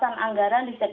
itu jangan dipangkas